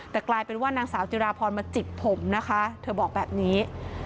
แต่กลายเป็นว่านางสาวจิราพรมาจิกผมนะคะเธอบอกแบบนี้